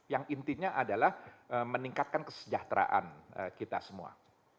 yang intinya adalah meningkatkan kesejahteraan kita semua